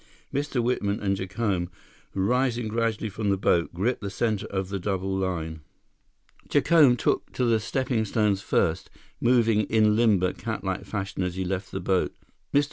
Mr. Whitman and Jacome, rising gradually from the boat, gripped the center of the double line. Jacome took to the steppingstones first, moving in limber, catlike fashion as he left the boat. Mr.